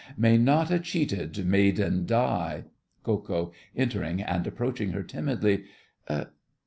May not a cheated maiden die? KO. (entering and approaching her timidly).